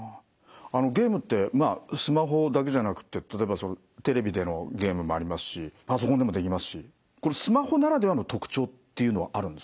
ゲームってスマホだけじゃなくて例えばそのテレビでのゲームもありますしパソコンでもできますしこれスマホならではの特徴っていうのはあるんですか？